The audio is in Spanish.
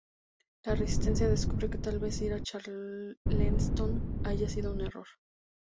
La resistencia descubre que tal vez ir a Charleston haya sido un error.